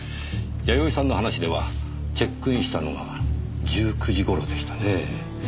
やよいさんの話ではチェックインしたのが１９時頃でしたねぇ。